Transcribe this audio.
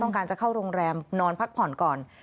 การจะเข้าโรงแรมนอนพักผ่อนก่อน